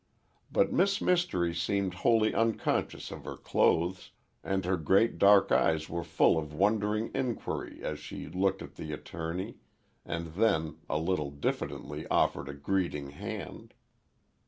But Miss Mystery seemed wholly unconscious of her clothes, and her great dark eyes were full of wondering inquiry as she looked at the attorney, and then a little diffidently offered a greeting hand.